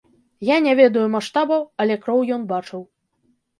Я не ведаю маштабаў, але кроў ён бачыў.